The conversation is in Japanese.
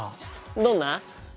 どんな？